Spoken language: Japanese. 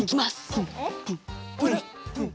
プンプンプンプン。